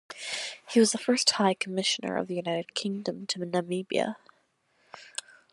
He was the first High Commissioner of the United Kingdom to Namibia.